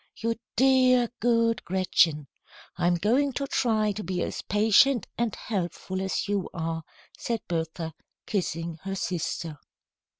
"You dear, good Gretchen! I'm going to try to be as patient and helpful as you are," said Bertha, kissing her sister.